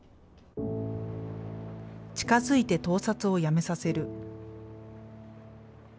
近づいて盗撮をやめさせる。